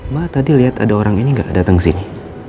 mbak tadi liat ada orang ini gak dateng sini